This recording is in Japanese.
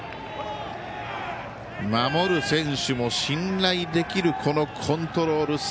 守る選手も信頼できるコントロール。